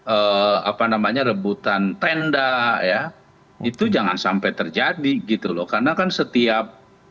apa namanya rebutan tenda ya itu jangan sampai terjadi gitu loh karena kan setiap